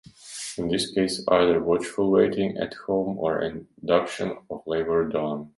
In this case, either watchful waiting at home or an induction of labor done.